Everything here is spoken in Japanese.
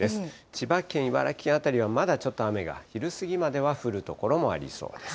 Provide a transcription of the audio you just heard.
千葉県、茨城県辺りはまだちょっと雨が昼過ぎまでは降る所もありそうです。